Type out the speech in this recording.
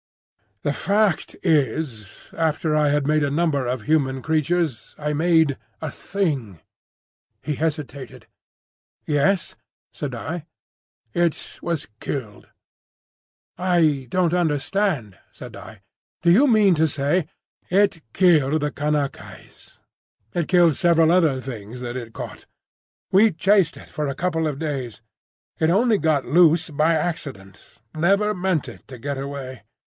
"The fact is, after I had made a number of human creatures I made a Thing—" He hesitated. "Yes?" said I. "It was killed." "I don't understand," said I; "do you mean to say—" "It killed the Kanaka—yes. It killed several other things that it caught. We chased it for a couple of days. It only got loose by accident—I never meant it to get away.